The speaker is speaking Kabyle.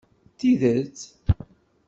Tidet?